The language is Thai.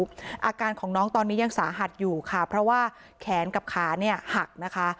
อาการของน้องตอนนี้ยังสาหัสอยู่ค่ะเพราะว่าแขนกับขาเนี่ยหักนะคะ